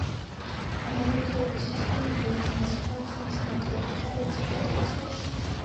ანალოგური სისტემები უკანასკნელ ხანს ნაკლებადაა ექსპლოატაციაში.